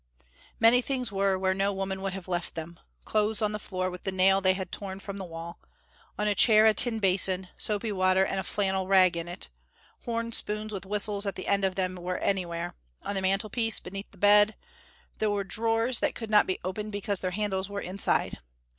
Many things were where no woman would have left them: clothes on the floor with the nail they had torn from the wall; on a chair a tin basin, soapy water and a flannel rag in it; horn spoons with whistles at the end of them were anywhere on the mantelpiece, beneath the bed; there were drawers that could not be opened because their handles were inside.